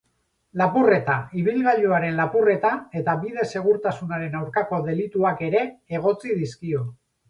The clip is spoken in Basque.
Lapurreta, ibilgailuaren lapurreta eta bide segurtasunaren aurkako delituak ere egotzi dizkio.